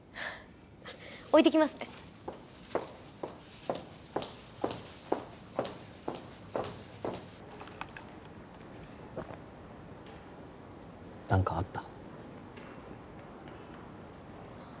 置いてきますね何かあった？